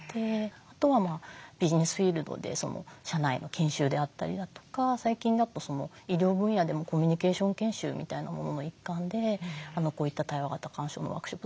あとはビジネスフィールドで社内の研修であったりだとか最近だと医療分野でもコミュニケーション研修みたいなものの一環でこういった対話型鑑賞のワークショップ